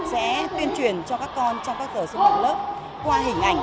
sẽ tuyên truyền cho các con trong các giờ sử dụng lớp qua hình ảnh